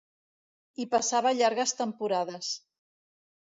Hi passava llargues temporades.